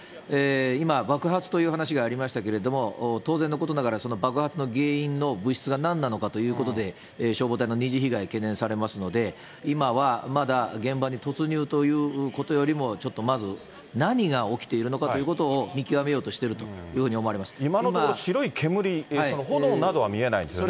今、爆発という話がありましたけれども、当然のことながら、その爆発の原因の物質がなんなのかということで、消防隊の二次被害、懸念されますので、今はまだ現場に突入ということよりも、ちょっとまず何が起きているのかということを見極めようとしてい今のところ、白い煙、炎などは見えないですね。